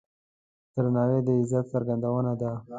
درناوی د عزت څرګندونه ده.